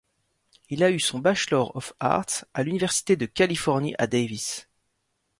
Il a eu son Bachelor of Arts à l'université de Californie à Davis.